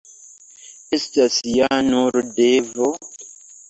Estas ja nur devo.